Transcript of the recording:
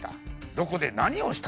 どこで何をした？